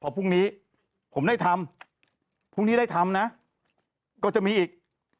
พอพรุ่งนี้ผมได้ทำพรุ่งนี้ได้ทำนะก็จะมีอีก